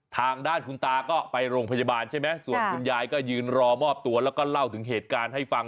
ทางด้านคุณตาก็ไปโรงพยาบาลใช่ไหมส่วนคุณยายก็ยืนรอมอบตัวแล้วก็เล่าถึงเหตุการณ์ให้ฟัง